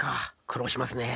苦労しますね。